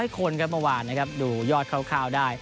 ๖๐๐คนเมื่อวานดูยอดค่อได้